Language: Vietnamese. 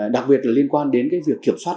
đặc biệt là liên quan đến việc kiểm soát